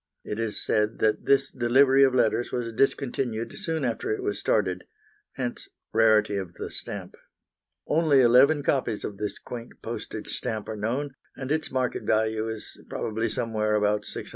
It is said that this delivery of letters was discontinued soon after it was started, hence rarity of the stamp. Only eleven copies of this quaint postage stamp are known, and its market value is probably somewhere about £600.